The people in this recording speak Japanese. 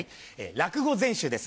「落語全集」です